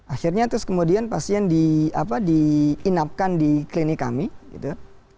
akhirnya terus kemudian pasien di inapkan di klinik kami gitu